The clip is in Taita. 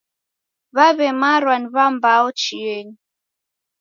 W'aw'emarwa ni w'ambao chieni.